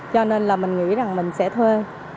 cho nên là mình nghĩ rằng mình sẽ thuê